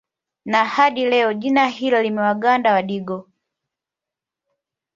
Na hadi leo jina hilo limewaganda Wadigo